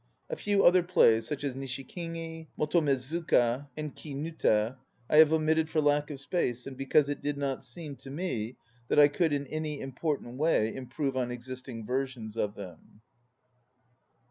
A few other plays, such as Nishikigi, MotomezukcL, and Kinuta, I have omitted for lack of space and because it did not seem to me that I could in any important way improve on existing versions of them.